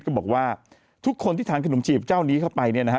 ก็บอกว่าทุกคนที่ทานขนมจีบเจ้านี้เข้าไปเนี่ยนะฮะ